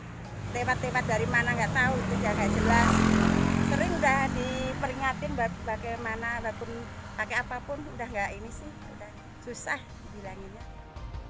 gak jelas sering udah diperingatin bagaimana datung pakai apapun udah gak ini sih udah susah dibilanginnya